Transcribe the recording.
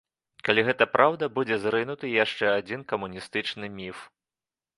Калі гэта праўда, будзе зрынуты яшчэ адзін камуністычны міф.